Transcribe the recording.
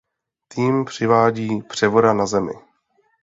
Tým přivádí Převora na Zemi.